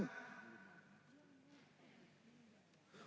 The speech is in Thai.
แล้ว